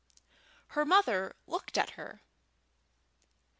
Her mother looked at her.